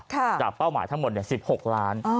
เป้าหมายทั้งหมด๑๖ล้าน